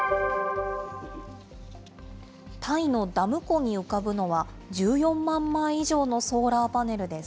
タイのダム湖に浮かぶのは、１４万枚以上のソーラーパネルです。